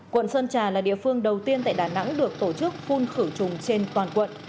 quận sơn trà là địa phương đầu tiên tại đà nẵng được tổ chức phun khử trùng trên toàn quận